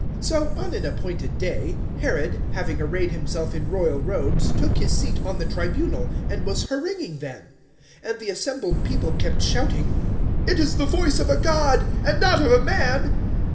012:021 So, on an appointed day, Herod, having arrayed himself in royal robes, took his seat on the tribunal, and was haranguing them; 012:022 and the assembled people kept shouting, "It is the voice of a god, and not of a man!"